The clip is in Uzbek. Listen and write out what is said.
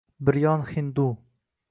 Bir yon hindu